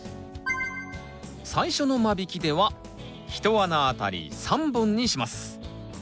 最初の間引きでは１穴あたり３本にします。